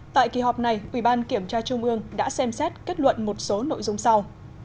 tại kỳ họp này ủy ban kiểm tra trung ương đã xem xét kết luận một số nội dung sau